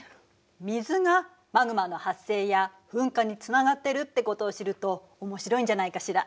水がマグマの発生や噴火につながってるってことを知ると面白いんじゃないかしら。